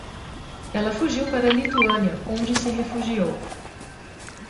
Ela fugiu para a Lituânia, onde se refugiou